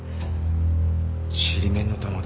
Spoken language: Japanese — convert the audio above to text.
ちりめんの玉だ。